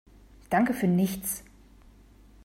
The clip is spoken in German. Danke für nichts!